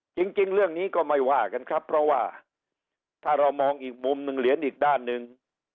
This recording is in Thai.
จริงเรื่องนี้ก็ไม่ว่ากันครับเพราะว่าถ้าเรามองอีกมุมหนึ่งเหรียญอีกด้านหนึ่ง